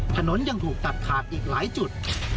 ถนนยังถูกตัดขาดอีกหลายจุด